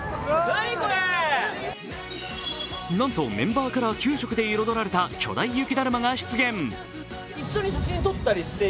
なんとメンバーカラー９色で彩られた巨大雪だるまが出現。